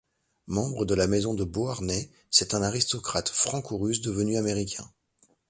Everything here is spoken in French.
Membre de la maison de Beauharnais, c'est un aristocrate franco-russe devenu américain.